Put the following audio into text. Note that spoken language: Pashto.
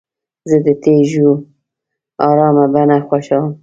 زه د تیږو ارامه بڼه خوښوم.